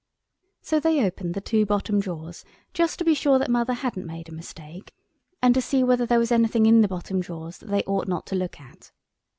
So they opened the two bottom drawers just to be sure that Mother hadn't made a mistake, and to see whether there was anything in the bottom drawers that they ought not to look at.